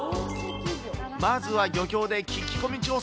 まずは漁協で聞き込み調査。